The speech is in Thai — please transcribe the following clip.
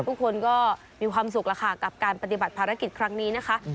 ทุกคนก็มีความสุขแล้วค่ะกับการปฏิบัติภารกิจครั้งนี้นะคะ